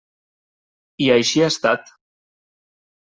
I així ha estat.